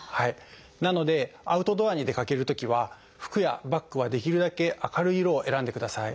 なのでアウトドアに出かけるときは服やバッグはできるだけ明るい色を選んでください。